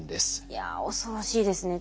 いやあ恐ろしいですね。